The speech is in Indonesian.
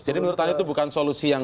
jadi menurut anda itu bukan solusi yang